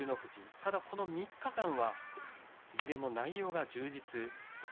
ただここ３日間はいずれも内容が充実。